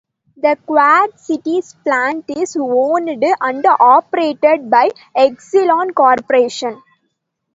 The Quad Cities plant is owned and operated by Exelon Corporation.